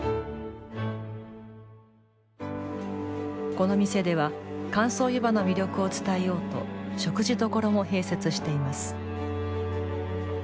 この店では乾燥湯葉の魅力を伝えようと食事処も併設しています。